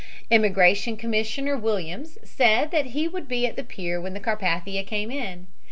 Immigration Commissioner Williams said that he would be at the pier when the Carpathia came in.